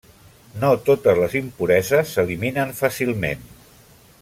No totes les impureses s'eliminen fàcilment.